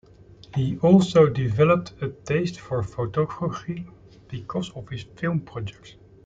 He also developed a taste for photography, because of his film projects.